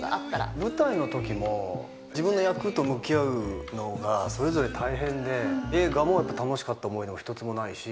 舞台のときも自分の役と向き合うのがそれぞれ大変で、映画も楽しかった思い出は一つもないし。